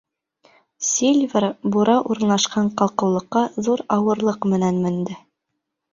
Сильвер бура урынлашҡан ҡалҡыулыҡҡа ҙур ауырлыҡ менән менде.